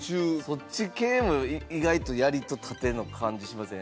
そっち系も意外と槍と盾の感じしません？